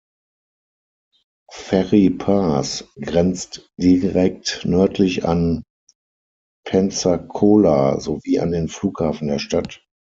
Ferry Pass grenzt direkt nördlich an Pensacola sowie an den Flughafen der Stadt.